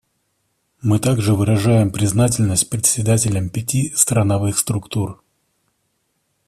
Мы также выражаем признательность председателям пяти страновых структур.